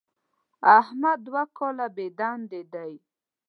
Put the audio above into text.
احمد دوه کاله بېدندې دی.